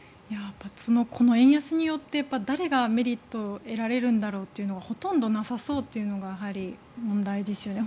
この円安によって誰がメリットを得られるんだろうっていうのはほとんどなさそうというのが問題ですよね。